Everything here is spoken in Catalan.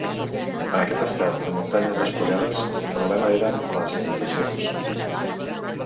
En aquest estat de muntanyes despullades, el problema eren les inundacions.